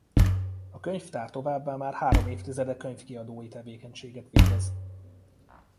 A könyvtár továbbá már három évtizede könyvkiadói tevékenységet végez.